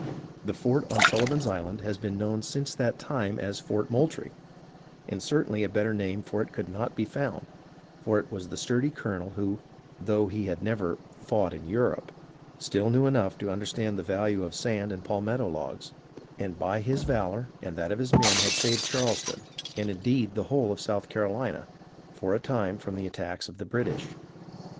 The fort on Sullivan's Island has been known since that time as Fort Moultrie, and certainly a better name for it could not be found, for it was the sturdy colonel who, though he had never " fought in Europe," still knew enough to understand the value of sand and palmetto logs, and by his valour and that of his men had saved Charleston, and indeed the whole of South Carolina, for a time from the attacks of the British.